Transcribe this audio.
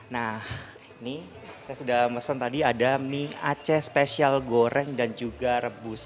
nah ini saya sudah mesen tadi ada mie aceh spesial goreng dan juga rebus